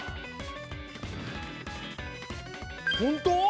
本当？